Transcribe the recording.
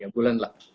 tiga bulan lah